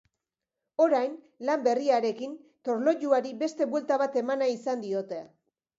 Orain, lan berriarekin, torlojuari beste buelta bat eman nahi izan diote.